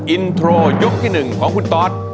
อินโทรยกที่๑ของคุณตอส